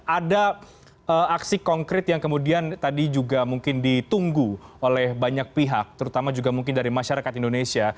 ada aksi konkret yang kemudian tadi juga mungkin ditunggu oleh banyak pihak terutama juga mungkin dari masyarakat indonesia